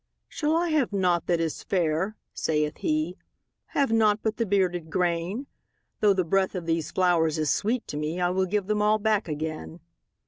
``Shall I have nought that is fair?'' saith he; ``Have nought but the bearded grain? Though the breath of these flowers is sweet to me, I will give them all back again.''